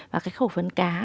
và khẩu phấn cá